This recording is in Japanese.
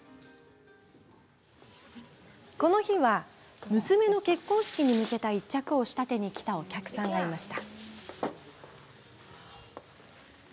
この日は娘の結婚式に向けた１着を仕立てに来たお客さんがいました。